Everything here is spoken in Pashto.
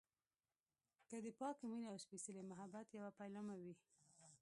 که د پاکې مينې او سپیڅلي محبت يوه پيلامه وي.